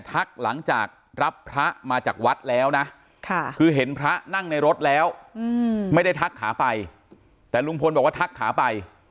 หลังจากรับพระมาจากวัดแล้วนะคือเห็นพระนั่งในรถแล้วไม่ได้ทักขาไปแต่ลุงพลบอกว่าทักขาไป